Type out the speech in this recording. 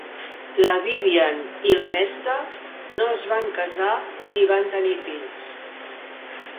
La Vivien i la Nesta no es van casar ni van tenir fills.